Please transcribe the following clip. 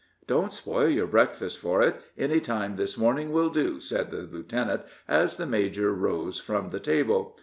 "Don't spoil your breakfast for it; any time this morning will do," said the lieutenant, as the major arose from the table.